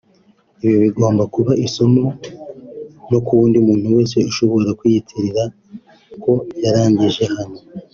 Ibi bigomba kuba isomo no ku wundi muntu wese ushobora kwiyitirira ko yarangije hano